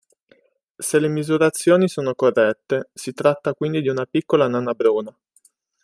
Se le misurazioni sono corrette, si tratta quindi di una piccola nana bruna.